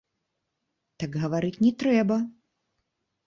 Так гаварыць не трэба!